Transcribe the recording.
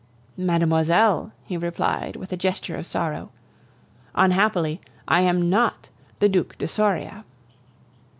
"Mademoiselle," he replied, with a gesture of sorrow, "unhappily, I am not the Duc de Soria."